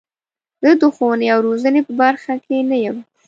زه د ښوونې او روزنې په برخه کې نه یم.